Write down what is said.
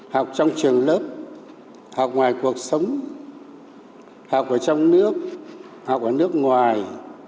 học trong trường lớp học ngoài cuộc sống học ở trong nước học ở nước ngoài